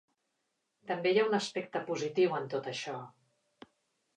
També hi ha un aspecte positiu en tot això.